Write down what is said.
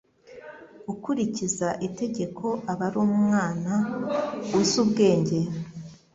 Ukurikiza itegeko aba ari umwana uzi ubwenge